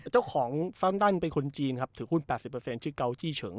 เจ้าของซัลมตันเป็นคนจีนถือหุ้น๘๐ชื่อกา